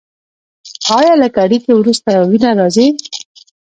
ایا له اړیکې وروسته وینه راځي؟